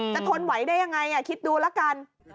ทนไหวได้ยังไงคิดดูละกัน